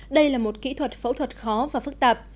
đây là một kỹ thuật phẫu thuật khó và phức tạp